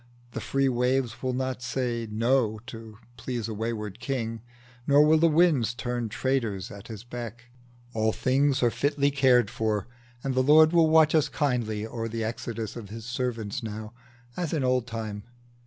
The free waves Will not say, No, to please a wayward king, Nor will the winds turn traitors at his beck: All things are fitly cared for, and the Lord Will watch as kindly o'er the exodus Of us his servants now, as in old time.